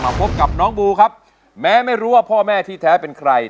พบกับน้องบูครับแม้ไม่รู้ว่าพ่อแม่ที่แท้เป็นใคร